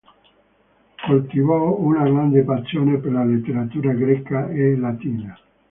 Coltivò una grande passione per la letteratura greca e latina.